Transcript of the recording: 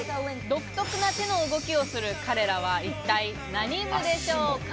独特な手の動きをする彼らは、一体何部でしょうか？